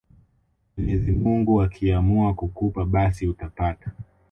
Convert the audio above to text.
Mwenyezi mungu akiamua kukupa basi utapata